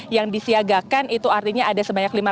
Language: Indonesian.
yang disiagakan itu artinya ada sebanyak lima ratus